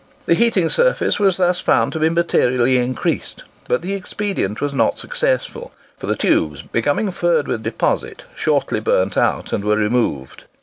The heating surface was thus found to be materially increased; but the expedient was not successful, for the tubes, becoming furred with deposit, shortly burned out and were removed.